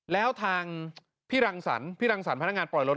แล้วทางพี่รังสรรคพี่รังสรรคพนักงานปล่อยรถ